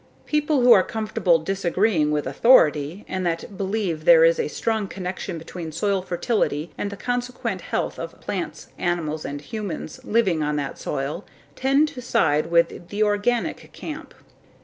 People who are comfortable disagreeing with Authority and that believe there is a strong connection between soil fertility and the consequent health of plants, animals, and humans living on that soil tend to side with the organic camp.